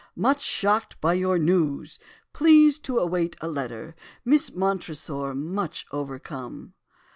'Much shocked by your news. Please to await letter. Miss Montresor much overcome.